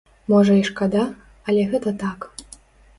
Можа і шкада, але гэта так.